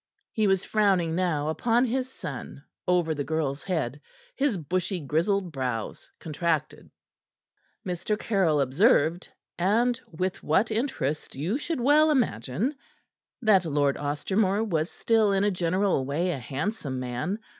He was frowning now upon his son over the girl's head, his bushy, grizzled brows contracted. Mr. Caryll observed and with what interest you should well imagine that Lord Ostermore was still in a general way a handsome man.